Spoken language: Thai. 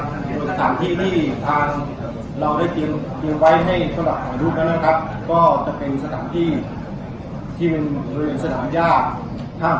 โดยสถานที่ที่ทางเราได้เตรียมไว้ให้สำหรับถ่ายรูปกันนะครับ